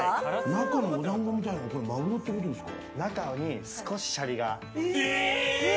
中のお団子みたいなものはマグロってことですか。